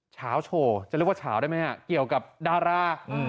เช้าโชว์จะเรียกว่าเฉาได้ไหมฮะเกี่ยวกับดารา